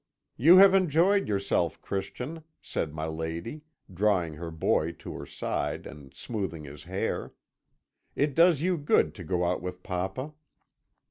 "'You have enjoyed yourself, Christian,' said my lady, drawing her boy to her side, and smoothing his hair. 'It does you good to go out with papa.'